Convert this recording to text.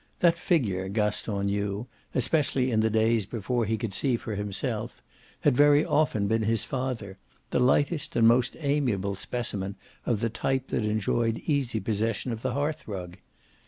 That figure, Gaston knew, especially in the days before he could see for himself, had very often been his father, the lightest and most amiable specimen of the type that enjoyed easy possession of the hearth rug.